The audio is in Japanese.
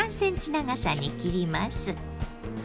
長さに切ります。